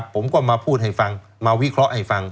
ผมก็มาพูดให้ฟังมาวิเคราะห์ให้ฟัง